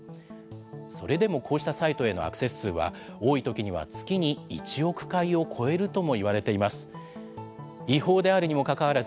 それでもこうしたサイトへのアクセス数は、多い時には月に１億回を超えるとも言われています。